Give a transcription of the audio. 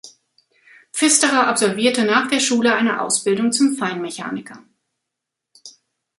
Pfisterer absolvierte nach der Schule eine Ausbildung zum Feinmechaniker.